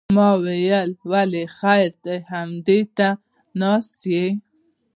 ما ویل ولې خیر دی همدې ته ناست یې.